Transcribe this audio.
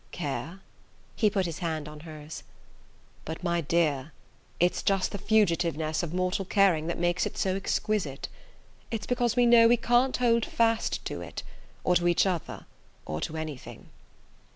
"Care?" He put his hand on hers. "But, my dear, it's just the fugitiveness of mortal caring that makes it so exquisite! It's because we know we can't hold fast to it, or to each other, or to anything...."